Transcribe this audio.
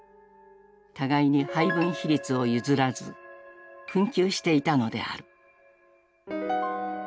互いに配分比率を譲らず紛糾していたのである。